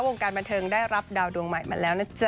วงการบันเทิงได้รับดาวดวงใหม่มาแล้วนะจ๊